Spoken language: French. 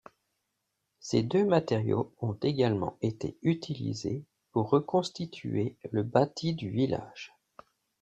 Ces deux matériaux ont également été utilisés pour reconstituer le bâti du village.